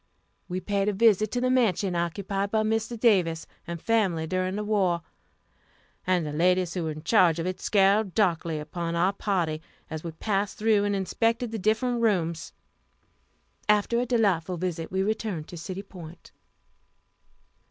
We paid a visit to the mansion occupied by Mr. Davis and family during the war, and the ladies who were in charge of it scowled darkly upon our party as we passed through and inspected the different rooms. After a delightful visit we returned to City Point.